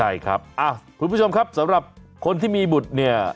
ใช่ครับคุณผู้ชมครับสำหรับคนที่มีบุตรเนี่ย